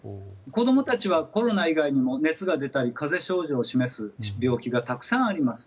子供たちはコロナ以外にも熱が出たり、風邪症状を示す病気がたくさんあります。